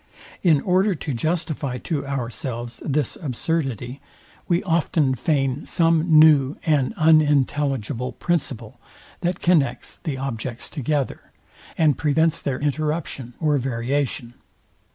In order to justify to ourselves this absurdity, we often feign some new and unintelligible principle, that connects the objects together, and prevents their interruption or variation.